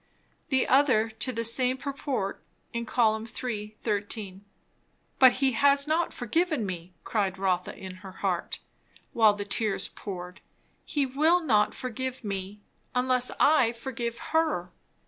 The other to the same purport, in Col. iii. 13. But he has not forgiven me, cried Rotha in her heart, while the tears poured; he will not forgive me, unless I forgive her.